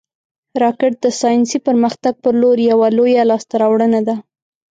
راکټ د ساینسي پرمختګ پر لور یوه لویه لاسته راوړنه ده